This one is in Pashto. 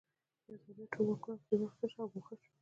یو ځل بیا ټول واکونه ترې واخیستل شول او ګوښه شو.